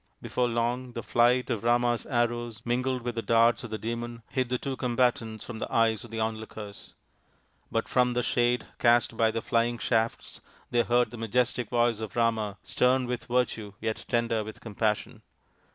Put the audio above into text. Before long the flight of Rama's arrows mingled with the darts of the Demon hid the two combatants from the eyes of the onlookers. But from the shade cast by the flying shafts they heard the majestic voice of Rama, stern with virtue yet tender with compassion.